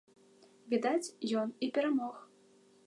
Відаць, ён і перамог.